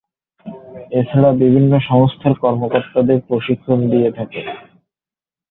এছাড়া, বিভিন্ন সংস্থার কর্মকর্তাদের প্রশিক্ষণ দিয়ে থাকে।